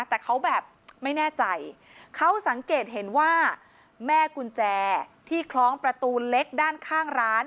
แต่เขาแบบไม่แน่ใจเขาสังเกตเห็นว่าแม่กุญแจที่คล้องประตูเล็กด้านข้างร้าน